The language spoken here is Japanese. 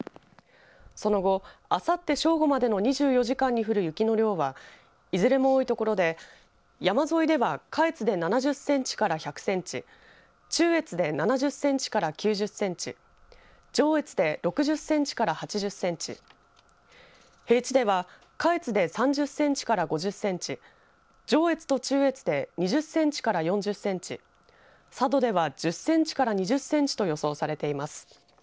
その後、あさって正午までの２４時間に降る雪の量はいずれも多い所で山沿いでは下越で７０センチから１００センチ中越で７０センチから９０センチ上越で６０センチから８０センチ平地では下越で３０センチから５０センチ上越と中越で２０センチから４０センチ佐渡では１０センチから２０センチと予想されています。